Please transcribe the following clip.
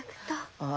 ああ。